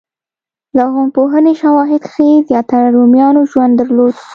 لرغونپوهنې شواهد ښيي زیاتره رومیانو ژوند درلود